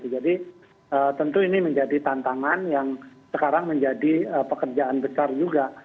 jadi tentu ini menjadi tantangan yang sekarang menjadi pekerjaan besar juga